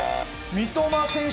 三笘選手！